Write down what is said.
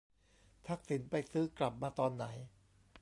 ทักษิณไปซื้อกลับมาตอนไหน ?